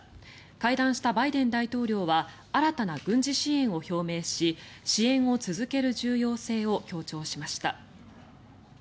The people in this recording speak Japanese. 会談したバイデン大統領は新たな軍事支援を表明し支援を続ける重要性を強調しました。